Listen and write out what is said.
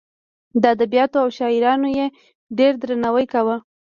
د ادبیاتو او شاعرانو یې ډېر درناوی کاوه.